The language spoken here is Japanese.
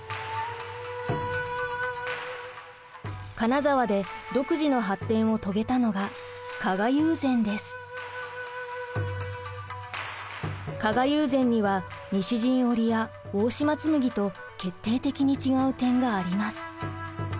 金沢で独自の発展を遂げたのが加賀友禅には西陣織や大島紬と決定的に違う点があります。